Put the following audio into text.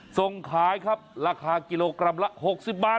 ส่งขายครับราคากิโลกรัมละ๖๐บาท